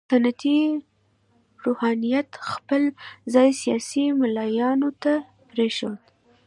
سنتي روحانیت خپل ځای سیاسي ملایانو ته پرېښود.